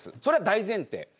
それは大前提。